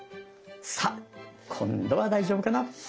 さっ今度は大丈夫かな？